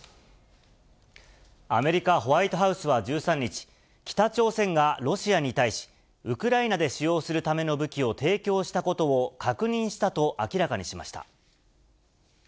アメリカ・ホワイトハウスは１３日、北朝鮮がロシアに対し、ウクライナで使用するための武器を提供したことを確認したと明らかにしました。